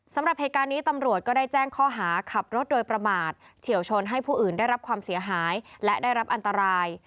สำหรับเหตุการณ์นี้ตำรวจก็ได้แจ้งข้อหาขับรถโดยประมาทเฉียวชนให้ผู้อื่นได้รับความเสียหายและได้รับอันตราย